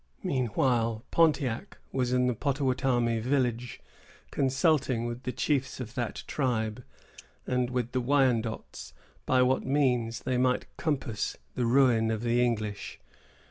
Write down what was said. Meanwhile, Pontiac was in the Pottawattamie village, consulting with the chiefs of that tribe, and with the Wyandots, by what means they might compass the ruin of the English.